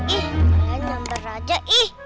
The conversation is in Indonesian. ih kalian sambar aja ih